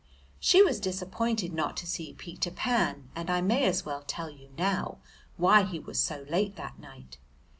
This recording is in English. She was disappointed not to see Peter Pan, and I may as well tell you now why he was so late that night.